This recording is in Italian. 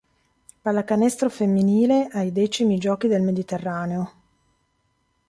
Pallacanestro femminile ai X Giochi del Mediterraneo